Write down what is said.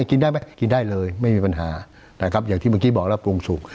กินได้ไหมกินได้เลยไม่มีปัญหานะครับอย่างที่เมื่อกี้บอกแล้วปรุงสุก